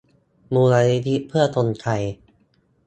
มูลนิธิเพื่อคนไทย